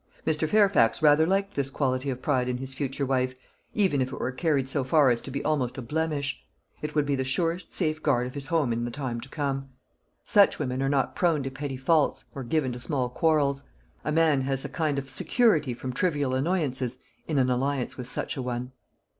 Mr. Fairfax rather liked this quality of pride in his future wife, even if it were carried so far as to be almost a blemish. It would be the surest safe guard of his home in the time to come. Such women are not prone to petty faults, or given to small quarrels. A man has a kind of security from trivial annoyances in an alliance with such a one.